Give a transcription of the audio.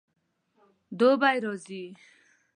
دوبی راځي